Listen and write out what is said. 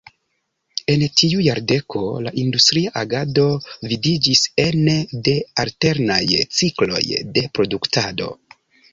En tiu jardeko la industria agado vidiĝis ene de alternaj cikloj de produktado.